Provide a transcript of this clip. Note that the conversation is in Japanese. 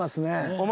お前